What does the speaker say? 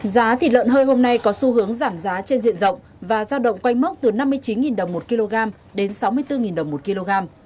giá thịt lợn hơi hôm nay có xu hướng giảm giá trên diện rộng và giao động quanh mốc từ năm mươi chín đồng một kg đến sáu mươi bốn đồng một kg